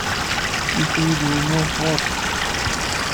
Yusa-iyi-d wumuɣ sɣur-s.